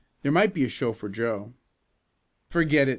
There might be a show for Joe." "Forget it!"